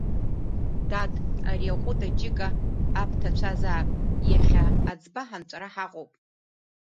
Дад, ари аҟәд аџьыка абҭацәазаап, иахьа аӡба ҳанҵәара ҳаҟоуп!